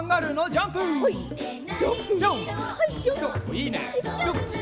いいね！